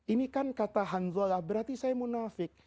ini kan kata hanzalah berarti saya munafik